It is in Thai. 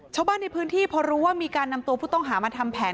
ชาวบ้านในพื้นที่พอรู้ว่ามีการนำตัวผู้ต้องหามาทำแผน